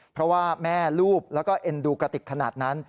เพราะว่าแม่รูปแล้วก็เอ็นดูกระติกขนาดนั้น